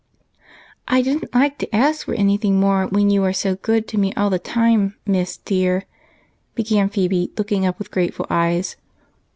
"I didn't like to ask for any thing more when you are so good to me all the time, miss, dear," began Phebe, looking up with grateful eyes.